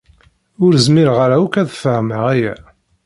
Ur zmireɣ ara akk ad fehmeɣ aya.